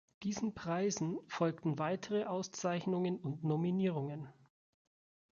Diesen Preisen folgten weitere Auszeichnungen und Nominierungen.